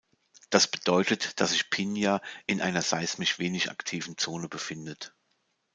Das bedeutet, dass sich Pigna in einer seismisch wenig aktiven Zone befindet.